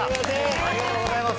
ありがとうございます。